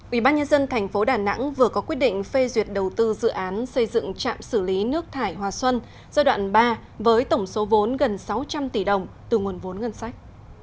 ubnd tp đà nẵng vừa có quyết định phê duyệt đầu tư dự án xây dựng trạm xử lý nước thải hòa xuân giai đoạn ba với tổng số vốn gần sáu trăm linh tỷ đồng từ nguồn vốn ngân sách